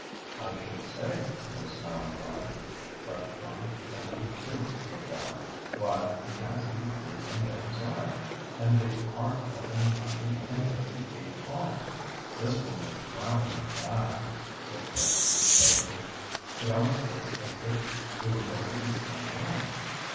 "I should say it was snowing hard!" cried Tom, as he, too, looked out. "Why, you can't see the trees on the other side, and they aren't more than a hundred and fifty feet off." "This will make traveling bad," said Dick soberly. "It almost looks as if we were going to be snowed in."